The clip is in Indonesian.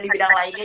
di bidang lainnya